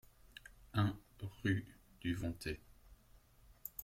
un rue du Vontay